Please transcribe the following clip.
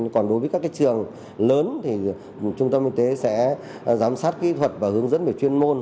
còn đối với các trường lớn thì trung tâm y tế sẽ giám sát kỹ thuật và hướng dẫn về chuyên môn